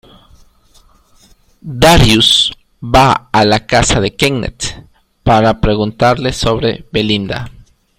Darius va a la casa de Kenneth para preguntarle sobre Belinda.